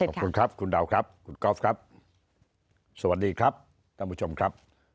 ขอบคุณครับคุณดาวครับคุณกอล์ฟครับสวัสดีครับท่านผู้ชมครับ